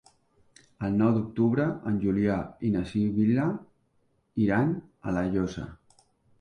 El nou d'octubre en Julià i na Sibil·la iran a La Llosa.